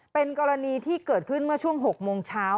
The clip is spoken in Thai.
เป็นกรณีที่เกิดขึ้นเมื่อช่วง๖โมงเช้า